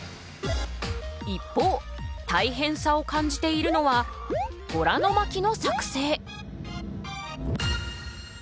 一方大変さを感じているのは虎の巻の作成。